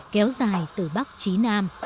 kéo dài từ bắc trí nam